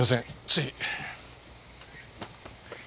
つい。